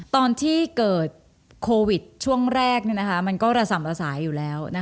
ตอนที่เกิดโควิดช่วงแรกมันก็ระส่ำระสายอยู่แล้ว